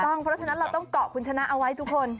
เพราะฉะนั้นเราต้องเกาะคุณชนะเอาไว้ทุกคน